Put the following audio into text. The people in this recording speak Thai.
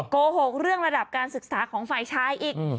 โกหกเรื่องระดับการศึกษาของฝ่ายชายอีก